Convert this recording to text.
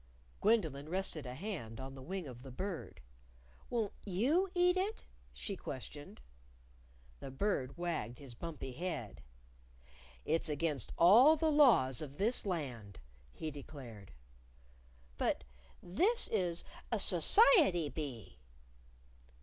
Gwendolyn rested a hand on the wing of the Bird. "Won't you eat it?" she questioned. The Bird wagged his bumpy head. "It's against all the laws of this Land," he declared. "But this is a society bee."